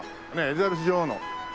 エリザベス女王の。